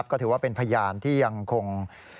ก็ถือว่าเป็นพยานที่ยังคง